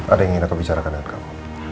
ada yang ingin aku bicarakan dengan kamu